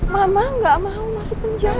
mama gak mau masuk penjara